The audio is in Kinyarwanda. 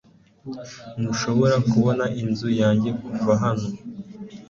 Ntushobora kubona inzu yanjye kuva hano